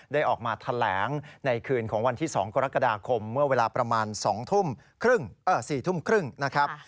ได้ออกมาแถลงในคืนของวันที่๒กรกฎาคมเมื่อเวลาประมาณ๒ทุ่ม๔ทุ่มครึ่งนะครับ